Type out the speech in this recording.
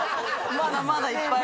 まだまだいっぱい。